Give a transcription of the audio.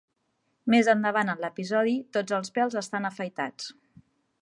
Més endavant en l'episodi, tots els pèls estan afaitats.